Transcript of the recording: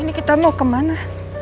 ini kita mau kemana